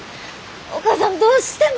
お母さんどうしても。